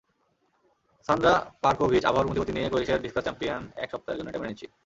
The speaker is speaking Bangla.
সান্দ্রা পারকোভিচআবহাওয়ার মতিগতি নিয়ে ক্রোয়েশিয়ার ডিসকাস চ্যাম্পিয়নএক সপ্তাহের জন্য এটা মেনে নিচ্ছি।